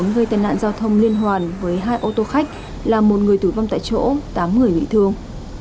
gây tai nạn giao thông liên hoàn với hai ô tô khách là một người tử vong tại chỗ tám người bị thương